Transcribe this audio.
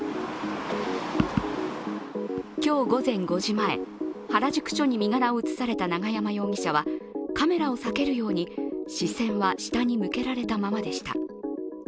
今日午前５時前、原宿署に身柄を移された永山容疑者はカメラを避けるように、視線は下に向けられたままでした。